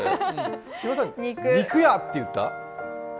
千葉さん、「肉や」って言った？